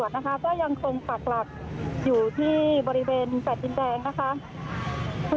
ด้วยการพยายามควบคุมสถานการณ์ไม่ให้ยืดเยอะยาวนานเช่นทั้งที่สามมานะคะ